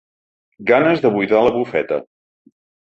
Ganes de buidar la bufeta.